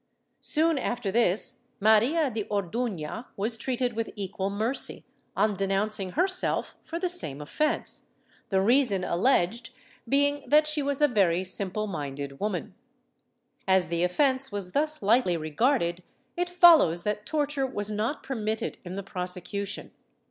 Soon after this Maria de Ordufia was treated with equal mercy, on denouncing herself for the same offence, the reason alleged being that she was a very simple minded woman .^ As the offence was thus lightly regarded, it follows that torture was not permitted in the prosecution."